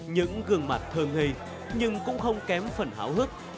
những gương mặt thơm ngây nhưng cũng không kém phần háo hức